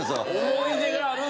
思い出があるんや。